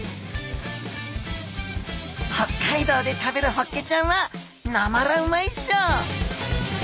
北海道で食べるホッケちゃんはなまらうまいっしょ。